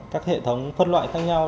các hệ thống phân loại khác nhau